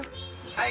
・はい。